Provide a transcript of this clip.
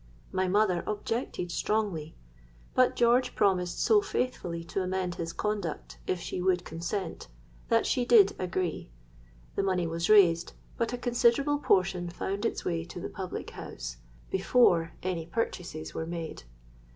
My mother objected strongly; but George promised so faithfully to amend his conduct if she would consent, that she did agree. The money was raised; but a considerable portion found its way to the public house before any purchases were made.